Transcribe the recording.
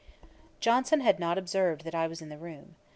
Johnson had not observed that I was in the room.